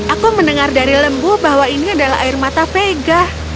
aku mendengar dari lembu bahwa ini adalah air mata vega